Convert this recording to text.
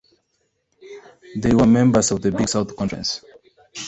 They were members of the Big South Conference.